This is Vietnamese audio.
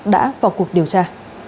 đã vào cuộc điều tra